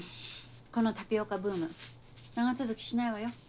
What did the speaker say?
このタピオカブーム長続きしないわよ。